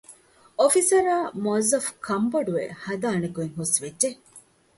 އޮފިސަރާއި މުވައްޒަފު ކަންބޮޑުވެ ހަދާނެގޮތް ހުސްވެއްޖެ